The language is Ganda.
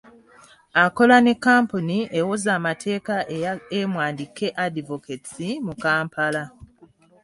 Akola ne kkampuni ewoza amateeka eya M and K Advocates, mu Kampala